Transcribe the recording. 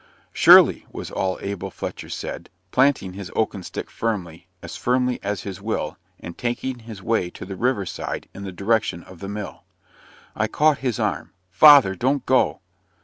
"Surely," was all Abel Fletcher said, planting his oaken stick firmly, as firmly as his will, and taking his way to the river side, in the direction of the mill. I caught his arm "Father, don't go."